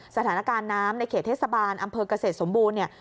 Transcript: สถานการณ์น้ำในเขตเทศบาลอำเภอกเกษตรสมบูรณ์เนี่ย